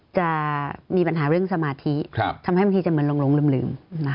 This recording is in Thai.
จะมีปัญหาเรื่องสมาธิทำให้บางทีจะเหมือนหลงลืม